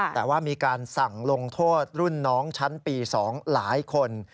แต่ว่ามีการสั่งลงโทษรุ่นน้องชั้นปี๒หลายคน